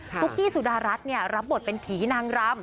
ุ๊กกี้สุดารัฐรับบทเป็นผีนางรำ